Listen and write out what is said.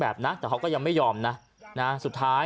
แบบนะแต่เขาก็ยังไม่ยอมนะนะสุดท้าย